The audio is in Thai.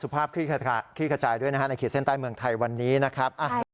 ภาพคลี่ขจายด้วยนะฮะในขีดเส้นใต้เมืองไทยวันนี้นะครับ